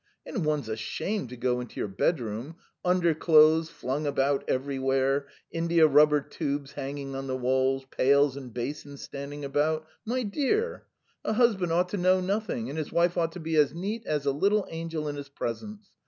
And one's ashamed to go into your bedroom: underclothes flung about everywhere, india rubber tubes hanging on the walls, pails and basins standing about. ... My dear! A husband ought to know nothing, and his wife ought to be as neat as a little angel in his presence.